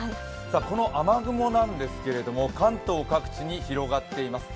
この雨雲なんですけれども関東各地に広がっています。